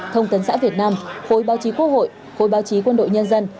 thông tấn xã việt nam khối báo chí quốc hội khối báo chí quân đội nhân dân